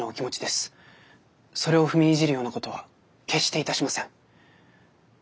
それを踏みにじるようなことは決していたしません。